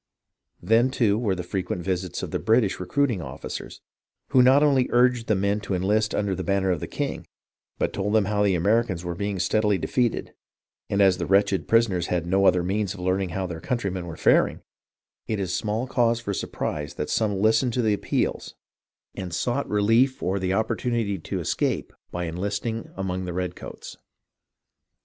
Then, too, there were frequent visits of the British recruiting officers, who not only urged the men to enlist under the banner of the king, but told them how the Americans were being steadily defeated, and as the wretched prisoners had no other means of learning how their countrymen were faring, it is small cause for sur prise that some listened to the appeals and sought relief 3l6 HISTORY OF THE AMERICAN REVOLUTION or the opportunity to escape by enlisting among the red coats.